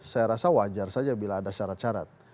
saya rasa wajar saja bila ada syarat syarat